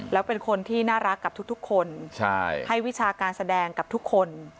แล้วเป็นคนที่น่ารักกับทุกคนให้วิชาการแสดงกับทุกคน